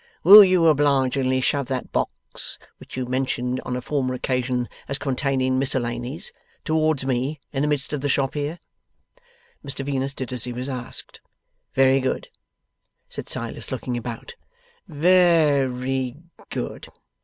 Will you obligingly shove that box which you mentioned on a former occasion as containing miscellanies towards me in the midst of the shop here?' Mr Venus did as he was asked. 'Very good,' said Silas, looking about: 've ry good.